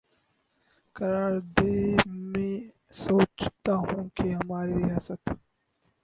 قرار دے میںسوچتاہوں کہ ہماری ریاست